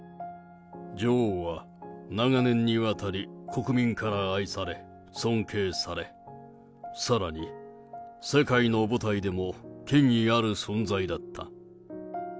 女王は長年にわたり、国民から愛され、尊敬され、さらに世界の舞台でも権威ある存在だった。